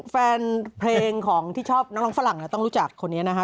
แฟนเพลงของที่ชอบน้องฝรั่งต้องรู้จักคนนี้นะฮะ